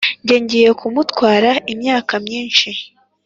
'njye ngiye kumutwara imyaka myinshi